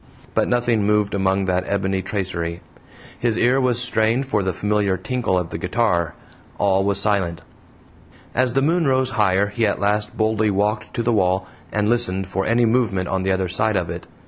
But nothing moved among that ebony tracery; his ear was strained for the familiar tinkle of the guitar all was silent. As the moon rose higher he at last boldly walked to the wall, and listened for any movement on the other side of it.